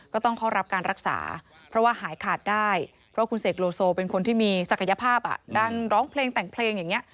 ก็ต้องเข้ารับการรักษาเพราะว่าหายขาดได้เพราะคุณเสกโลโซเป็นคนที่มีศักยภาพด้านร้องเพลงแต่งเพลงอย่างนี้